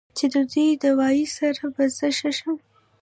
چې د دې دوائي سره به زۀ ښۀ شم